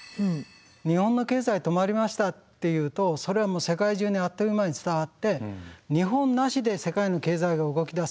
日本の経済止まりましたっていうとそれは世界中にあっという間に伝わって日本なしで世界の経済が動き出すわけですよ。